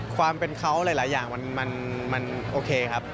ความเป็นเขาหลายอย่างมันโอเคครับ